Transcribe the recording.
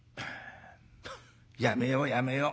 やめようやめよう。